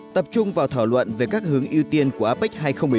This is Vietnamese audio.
tập trung vào thảo luận về các hướng ưu tiên của apec hai nghìn một mươi bốn